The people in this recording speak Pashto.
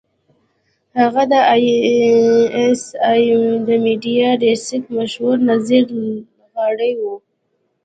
هغه د اى ايس اى د میډیا ډیسک مشاور نذیر لغاري وو.